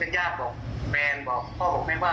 คุณรับเอาไป